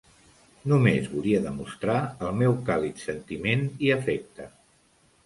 Només volia demostrar el meu càlid sentiment i afecte.